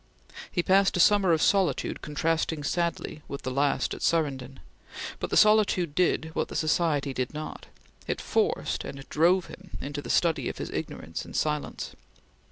He passed a summer of solitude contrasting sadly with the last at Surrenden; but the solitude did what the society did not it forced and drove him into the study of his ignorance in silence.